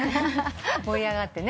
盛り上がってね。